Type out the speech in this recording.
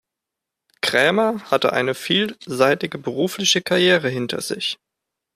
Krämer hat eine vielseitige berufliche Karriere hinter sich.